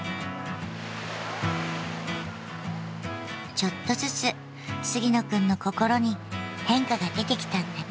ちょっとずつ杉野くんの心に変化が出てきたんだね。